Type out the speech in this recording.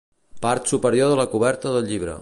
Part superior de la coberta del llibre.